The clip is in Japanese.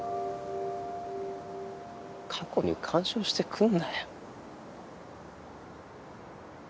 過去に干渉してくんなよ。